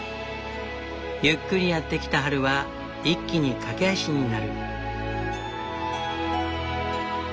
ゆっくりやって来た春は一気に駆け足になる。